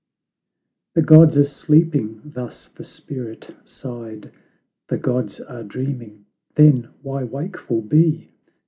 "The Gods are sleeping," thus the spirit sighed; "The Gods are dreaming," then why wakeful be?